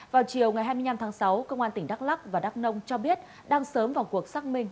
vào chiều ngày hai mươi năm tháng sáu công an tỉnh đắk lắc và đắk nông cho biết đang sớm vào cuộc xác minh